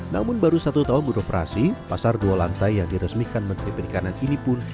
namun baru satu tahun beroperasi pasar dua lantai yang diresmikan menteri perikanan ini pun